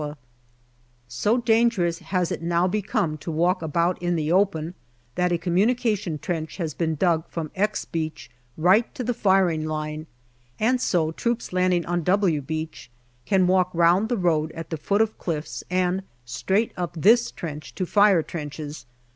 AUGUST 185 So dangerous has it now become to walk about in the open that a communication trench has been dug from " X " Beach right to the firing line, and so troops landing on " W " Beach can walk round the road at the foot of cliffs and straight up this trench to fire trenches.